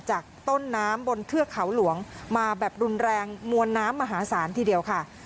จากต้นน้ำบนเทือกเขาหลวงมาแบบรุนแรงมวลน้ำมหาศาลทีเดียวค่ะ